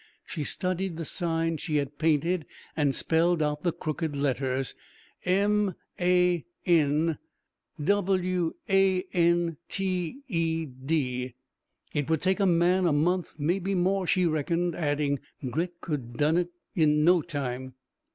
She studied the sign she had painted, and spelled out the crooked letters: "M A n WAnTeD." It would take a man a month, maybe more, she reckoned, adding: "Grit could done it in no time."